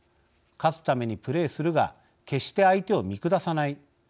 「勝つためにプレーするが決して相手を見下さない。